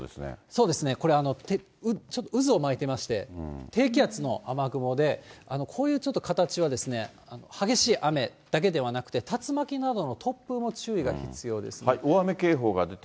そうですね、これ、ちょっと渦を巻いてまして、低気圧の雨雲で、こういうちょっと形はですね、激しい雨だけではなくて、竜巻などの突風も注意が必要です。